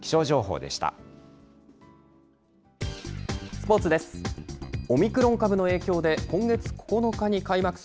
スポーツです。